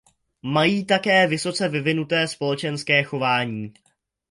Mají také vysoce vyvinuté společenské chování.